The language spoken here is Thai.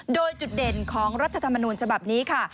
โดยจุดเด่นของรัฐธรรมนูญฉบับนี้ค่ะ